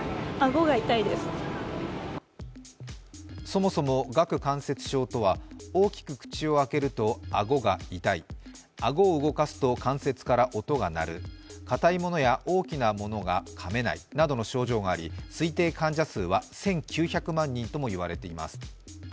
そもそも顎関節症とは、大きく口を開けると顎が痛い、顎を動かすと関節から音が鳴るかたいものや大きなものがかめないなどの症状があり、推定患者数は１９００万人とも言われています。